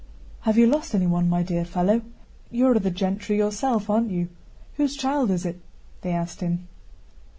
"Have you lost anyone, my dear fellow? You're of the gentry yourself, aren't you? Whose child is it?" they asked him.